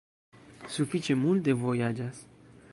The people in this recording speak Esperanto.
Sufiĉe multe vojaĝas.